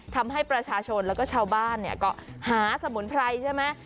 ทำให้ประชาชนแล้วก็ชาวบ้านเนี่ยก็หาสมุนไพรใช่ไหม